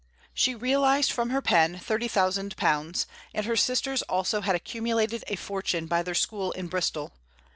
She realized from her pen £30,000, and her sisters also had accumulated a fortune by their school in Bristol.